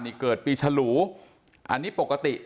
ให้เกิดปีชรูอันนี้ปกติ